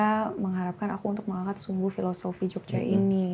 dan mereka mengharapkan aku untuk mengangkat sumbu filosofi jogja ini